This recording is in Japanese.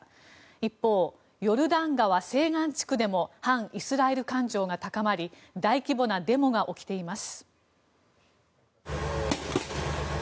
一方、ヨルダン川西岸地区でも反イスラエル感情が高まり大規模なデモが起きています。